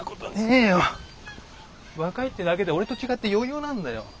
若いってだけで俺と違って余裕なんだよ。